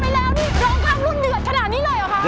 ไปแล้วนี่ร้องข้ามรุ่นเดือดขนาดนี้เลยเหรอคะ